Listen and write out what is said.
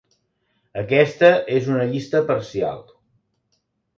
"Aquesta és una llista parcial:"